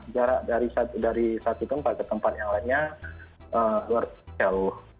jarak dari satu tempat ke tempat yang lainnya luar jauh